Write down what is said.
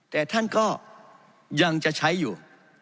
แต่ท่านก็ยังจะใช้อยู่